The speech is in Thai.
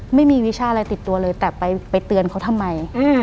วิชาอะไรติดตัวเลยแต่ไปเตือนเขาทำไม